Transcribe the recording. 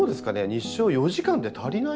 日照４時間で足りないんですか？